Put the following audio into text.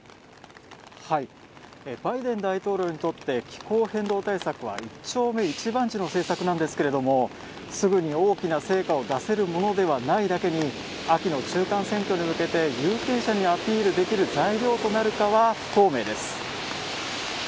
バイデン大統領にとって気候変動対策は一丁目一番地の政策なんですけどもすぐに大きな成果を出せるものではないだけに秋の中間選挙に向けて、有権者にアピールできる材料となるかは不透明です。